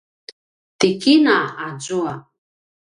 ti kina azua